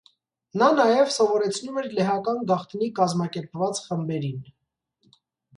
Նա նաև սովորեցնում էր լեհական գաղտնի կազմակերպված խմբերին։